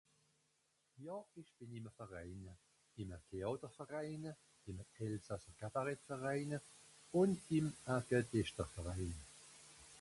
Ja, ìch bìn ìm e Verèin. Ìm e Téàterverèin, ìm e Elsassercabaretverèin ùn ìm e Gedìchterverein.